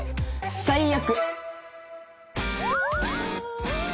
最悪！